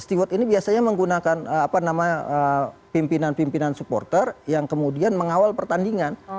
steward ini biasanya menggunakan pimpinan pimpinan supporter yang kemudian mengawal pertandingan